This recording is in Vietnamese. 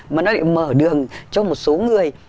mà nó lại mở đường cho một số người